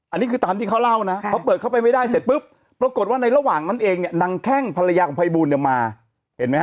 อันนี้คือตามที่เขาเล่านะพอเปิดเข้าไปไม่ได้เสร็จปุ๊บปรากฏว่าในระหว่างนั้นเองเนี่ยนางแข้งภรรยาของภัยบูลเนี่ยมาเห็นไหมฮ